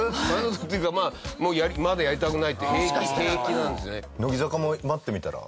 というか「まだやりたくない」って平気なんですよね。